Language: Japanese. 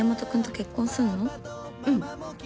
うん。